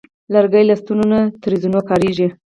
لرګی له ستنو نه تر زینو کارېږي.